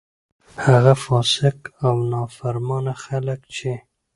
هغه فاسق او نا فرمانه خلک چې: